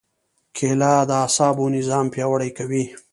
کېله د اعصابو نظام پیاوړی کوي.